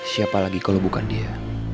siapa lagi kalau bukan dia